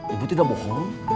ibu tidak bohong